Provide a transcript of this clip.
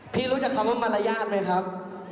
รู้จักคำว่ามารยาทไหมครับ